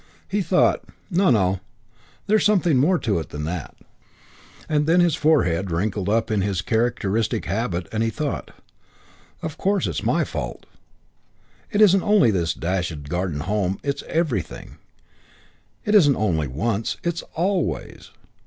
He thought: "No, no, there's something more in it than that." And then his forehead wrinkled up in his characteristic habit and he thought: "Of course, it's my fault. It isn't only this dashed Garden Home. It's everything. It isn't only once. It's always.